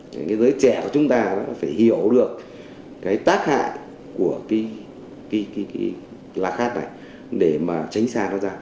thế giới trẻ của chúng ta nó phải hiểu được cái tác hại của cái lá khát này để mà tránh xa nó ra